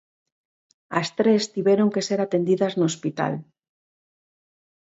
As tres tiveron que ser atendidas no hospital.